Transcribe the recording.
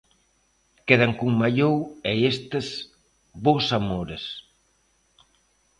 Quedan con Mallou e estes 'Bos amores'.